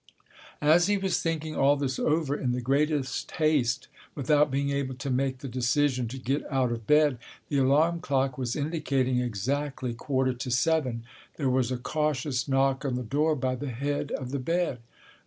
As he was thinking all this over in the greatest haste, without being able to make the decision to get out of bed—the alarm clock was indicating exactly quarter to seven—there was a cautious knock on the door by the head of the bed.